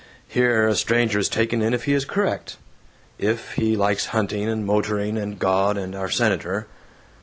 Here, a stranger is taken in if he is correct, if he likes hunting and motoring and God and our Senator.